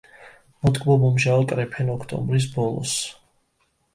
მოტკბო-მომჟავო, კრეფენ ოქტომბრის ბოლოს.